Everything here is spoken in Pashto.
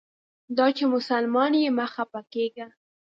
دا چې مسلمان یې مه خپه کیږه.